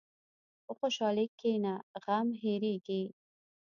په خوشحالۍ کښېنه، غم هېرېږي.